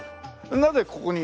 なぜここに。